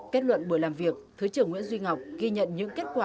kết luận buổi làm việc thứ trưởng nguyễn duy ngọc ghi nhận những kết quả